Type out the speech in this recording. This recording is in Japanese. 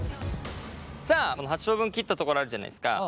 さあこの８等分切った所あるじゃないですか。